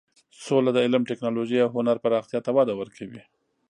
سوله د علم، ټکنالوژۍ او هنر پراختیا ته وده ورکوي.